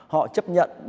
họ chấp nhận